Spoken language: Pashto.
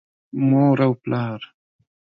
مور او پلار